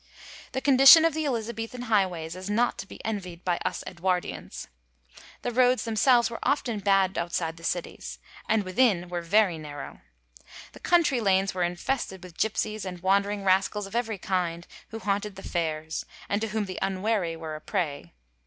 The condition of the Elizabethan highways is not to be envied by us Edwardians. The roads themselves were often bad outside the cities, and within were very narrow. The country lanes were infested with gipsies and wandering rascals of every kind, who haunted the fairs, and to whom the unwary were a prey.